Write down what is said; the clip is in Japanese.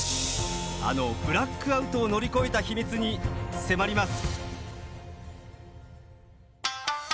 あのブラックアウトを乗り越えた秘密に迫ります。